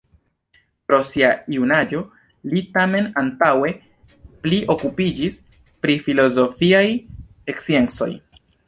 Pro sia junaĝo li tamen antaŭe pli okupiĝis pri filozofiaj sciencoj.